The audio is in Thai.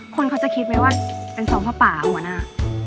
คนเขาจะคิดไหมว่าเป็นซองผ้าป่าหัวหน้า